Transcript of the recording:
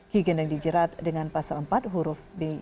ki geneng dijerat dengan pasal empat huruf b